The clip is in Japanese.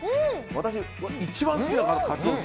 私、一番好きなカツ丼です